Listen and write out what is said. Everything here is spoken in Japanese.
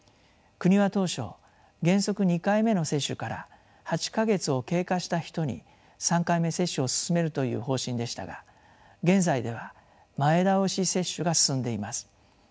国は当初原則２回目の接種から８か月を経過した人に３回目接種を進めるという方針でしたが現在では前倒し接種が進んでいます。